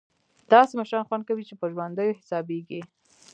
داسې مشران خوند کوي چې په ژوندیو حسابېږي.